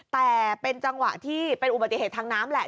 แต่เป็นจังหวะที่เป็นอุบัติเหตุทางน้ำแหละ